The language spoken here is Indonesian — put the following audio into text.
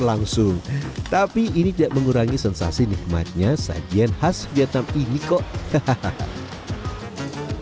langsung tapi ini tidak mengurangi sensasi nikmatnya sajian khas vietnam ini kok hahaha